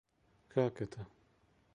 Как это?